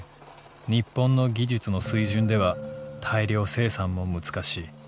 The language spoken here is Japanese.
日本の技術の水準では大量生産もむつかしい。